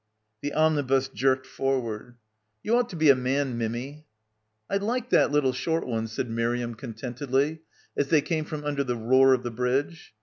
The omnibus jerked forward. "You ought to be a man, Mimmy." "I liked that little short one," said Miriam contentedly as they came from under the roar of the bridge.